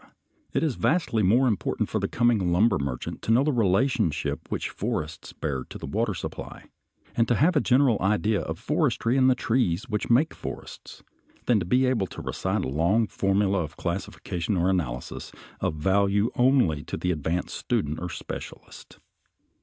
It is vastly more important for the coming lumber merchant to know the relationship which forests bear to the water supply, and to have a general idea of forestry and the trees which make forests, than to be able to recite a long formula of classification or analysis, of value only to the advanced student or specialist.